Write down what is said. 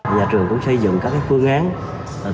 nhà trường cũng xây dựng các phương án